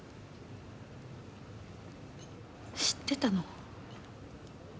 知ってたの？